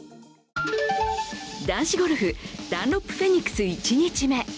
男子ゴルフ、ダンロップフェニックス１日目。